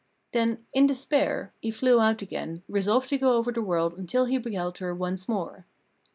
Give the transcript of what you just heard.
Then, in despair, he flew out again, resolved to go over the world until he beheld her once more.